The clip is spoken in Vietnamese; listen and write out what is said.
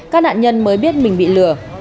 các nạn nhân mới biết mình bị lừa